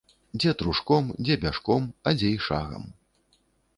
Дзе трушком, дзе бяжком, а дзе й шагам.